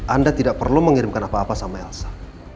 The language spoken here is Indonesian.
anda tidak perlu mengirimkan apa apa sama elsa